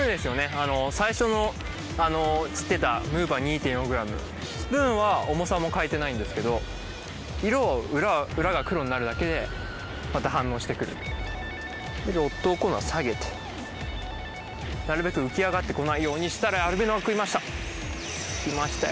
あの最初の釣ってたムーバー２．４ｇスプーンは重さも変えてないんですけど色裏が黒になるだけでまた反応してくるロッドを今度は下げてなるべく浮き上がってこないようにしたらアルビノが食いましたきましたよ